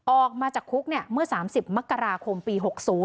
ออกมาจากคุกเมื่อ๓๐มกราคมปี๖๐